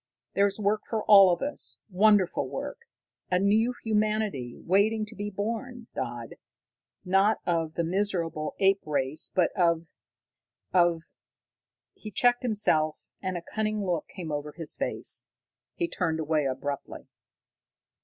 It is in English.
There's work for all of us, wonderful work. A new humanity, waiting to be born, Dodd, not of the miserable ape race, but of of " He checked himself, and a cunning look came over his face. He turned away abruptly.